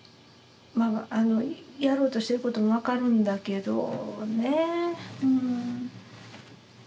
やろうとしてることも分かるんだけどねえ